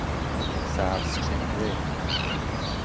سبز چهره